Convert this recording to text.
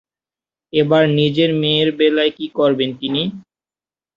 এবার নিজের মেয়ের বেলায় কি করবেন তিনি?